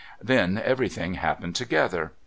Then everything happened together. Mr.